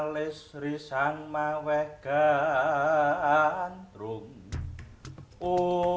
seperti yang mau arti adalah berlaku negara